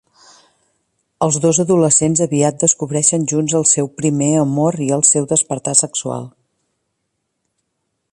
Els dos adolescents aviat descobreixen junts el seu primer amor i el seu despertar sexual.